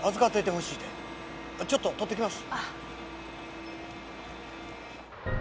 ちょっと取ってきます。